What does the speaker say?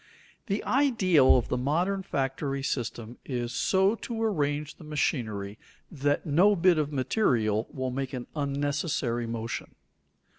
The ideal of the modern factory system is so to arrange the machinery that no bit of material will make an unnecessary motion.